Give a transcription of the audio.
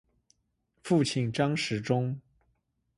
父亲张时中。